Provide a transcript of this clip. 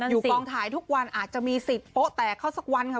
กองถ่ายทุกวันอาจจะมีสิทธิ์โป๊ะแตกเข้าสักวันค่ะ